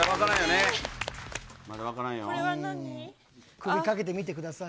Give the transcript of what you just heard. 首掛けてみてください。